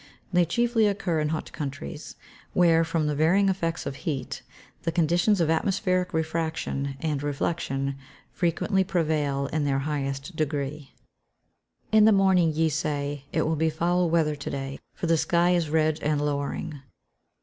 They chiefly occur in hot countries, where, from the varying effects of heat, the conditions of atmospheric refraction and reflection frequently prevail in their highest degree. [Verse: "In the morning ye say, it will be foul weather to day, for the sky is red and lowering."